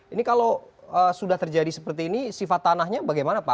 ini kalau sudah terjadi seperti ini sifat tanahnya bagaimana pak